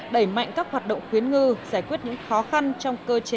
đẩy mạnh các hoạt động khuyến ngư giải quyết những khó khăn trong cơ chế